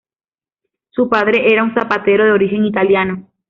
Su padre era un zapatero de origen italiano.